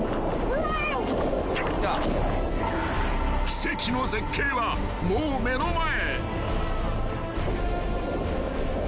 ［奇跡の絶景はもう目の前］